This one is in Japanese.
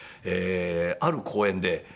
ある公演で。